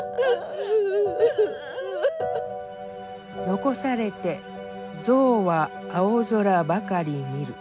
「遺されて象は青空ばかり見る」。